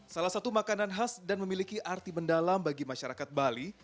salah satu makanan khas dan memiliki arti mendalam bagi masyarakat bali